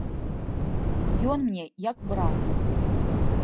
Ён мне як брат.